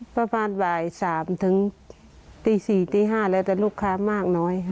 ประมาณบ่าย๓ถึงตี๔ตี๕แล้วแต่ลูกค้ามากน้อยค่ะ